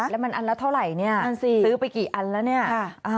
แล้วมันอันละเท่าไหร่ซื้อไปกี่อันละเนี่ย